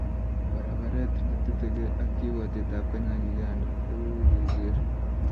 Paraparet neteteke ak kiwatet ab Kenya ak Uganda kokokeker.